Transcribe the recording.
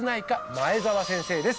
前澤先生です